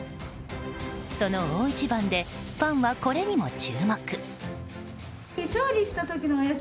その大一番でファンはこれにも注目。